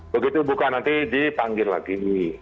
begitu buka nanti dipanggil lagi